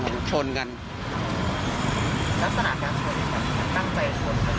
ลักษณะการชวนตั้งแต่ชวนเขาบอกว่ามันมันเกี่ยวด้วย